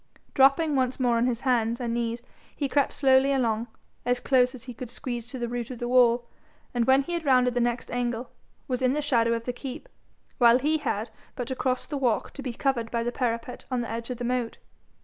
Dropping once more on his hands and knees he crept slowly along, as close as he could squeeze to the root of the wall, and when he rounded the next angle, was in the shadow of the keep, while he had but to cross the walk to be covered by the parapet on the edge of the moat.